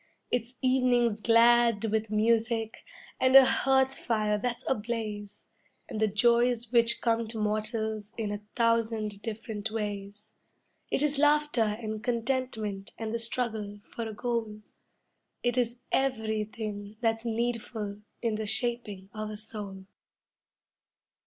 It's evenings glad with music and a hearth fire that's ablaze, And the joys which come to mortals in a thousand different ways. It is laughter and contentment and the struggle for a goal; It is everything that's needful in the shaping of a soul.